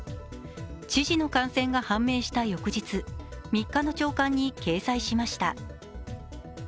知事の感染が判明した翌日、３日の朝刊に掲載しました。